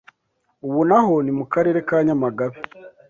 Ubu naho ni mu Karere ka Nyamagabe